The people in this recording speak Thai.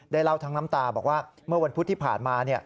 เล่าทั้งน้ำตาบอกว่าเมื่อวันพุธที่ผ่านมา